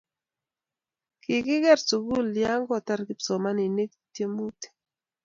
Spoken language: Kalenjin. Kikiger sukul ya kotar kipsomaninik tyemutik